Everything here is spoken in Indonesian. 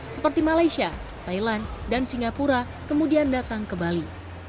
seperti malaysia thailand dan singapura kemudian datang ke bali